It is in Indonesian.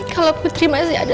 kalau putri masih ada